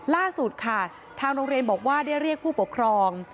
ล่าสุดค่ะทางโรงเรียนบอกว่าได้เรียกผู้ปกครอง